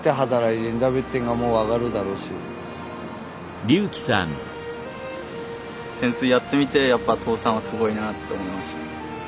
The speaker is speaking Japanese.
うん潜水やってみてやっぱ父さんはすごいなと思いました。